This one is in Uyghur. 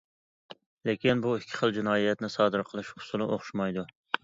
لېكىن بۇ ئىككى خىل جىنايەتنى سادىر قىلىش ئۇسۇلى ئوخشىمايدۇ.